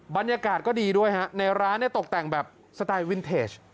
บรรยากาศก็ดีด้วยฮะในร้านเนี่ยตกแต่งแบบสไตล์วินเทจ